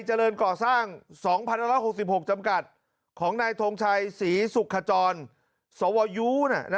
เจริญก่อสร้าง๒๑๖๖จำกัดของนายทงชัยศรีสุขจรสวย